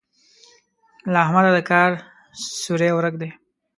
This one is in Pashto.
له احمده د کار سوری ورک دی.